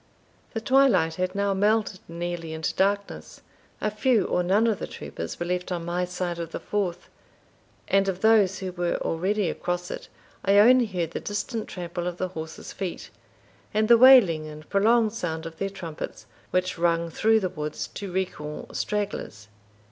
The twilight had now melted nearly into darkness; a few or none of the troopers were left on my side of the Forth, and of those who were already across it, I only heard the distant trample of the horses' feet, and the wailing and prolonged sound of their trumpets, which rung through the woods to recall stragglers.